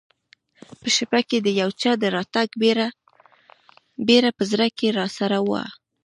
په شپه کې د یو چا د راتګ بېره په زړه کې راسره وه.